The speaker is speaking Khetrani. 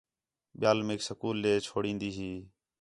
ٻِیال میک سکول ݙے چُھڑین٘دی ہی